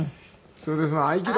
それでその合気道。